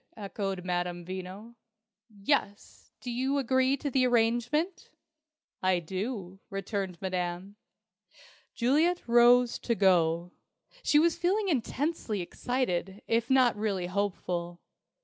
echoed Madame Veno. "Yes. Do you agree to the arrangement?" "I do," returned Madame. Juliet rose to go. She was feeling intensely excited, if not really hopeful.